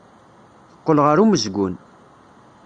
Teqqel ɣer umezgun.